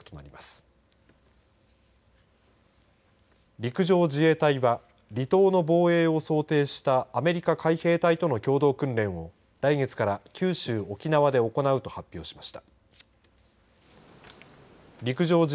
陸上自衛隊は離島の防衛を想定したアメリカ海兵隊との共同訓練を来月から九州、沖縄で行うと発表しました。